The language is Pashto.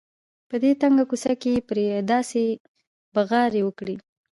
په دې تنګه کوڅه کې یې پرې داسې بغارې وکړې.